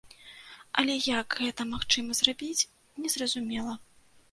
Але як гэта магчыма зрабіць, незразумела.